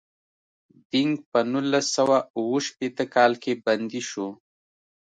دینګ په نولس سوه اووه شپیته کال کې بندي شو.